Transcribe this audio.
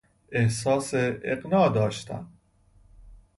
احساس اقناع داشتم.